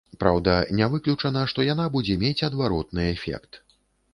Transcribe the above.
Праўда, не выключана, што яна будзе мець адваротны эфект.